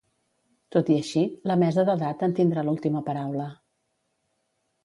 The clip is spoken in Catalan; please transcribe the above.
Tot i així, la Mesa d'Edat en tindrà l'última paraula.